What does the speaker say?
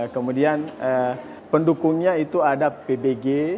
kemudian pendukungnya itu ada pbg